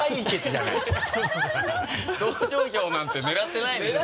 同情票なんて狙ってないですよ。